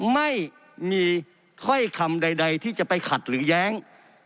ไม่มีถ้อยคำใดที่จะไปขัดหรือแย้ง